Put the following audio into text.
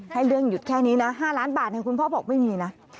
ให้เรื่องหยุดแค่นี้นะ๕ล้านบาทคุณพ่อบอกไม่มีนะ